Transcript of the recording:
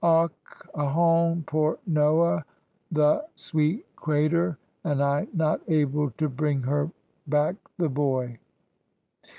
"Och, ahone, poor Nora, the sweet cratur! and I not able to bring her back the boy."